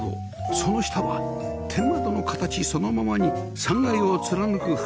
その下は天窓の形そのままに３階を貫く吹き抜け